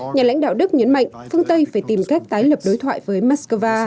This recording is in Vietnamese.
nhà lãnh đạo đức nhấn mạnh phương tây phải tìm cách tái lập đối thoại với moscow